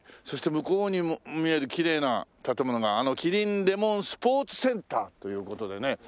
そして向こうに見えるきれいな建物がキリンレモンスポーツセンターという事でね